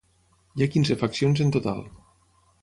Hi ha quinze faccions en total.